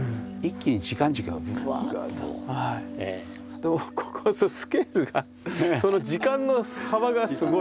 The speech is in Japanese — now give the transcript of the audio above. でもここはスケールがその時間の幅がすごい。